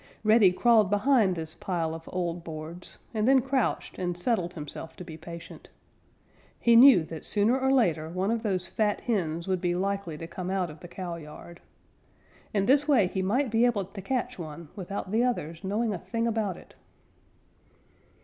Reddy crawled behind this pile of old boards and then crouched and settled himself to be patient. He knew that sooner or later one of those fat hens would be likely to come out of the cowyard. In this way he might be able to catch one without the others knowing a thing about it.